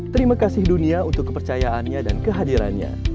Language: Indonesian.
terima kasih dunia untuk kepercayaannya dan kehadirannya